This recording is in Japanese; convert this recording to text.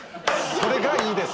それがいいです。